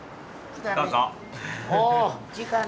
どうぞ。